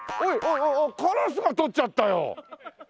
カラスが取っちゃったよ！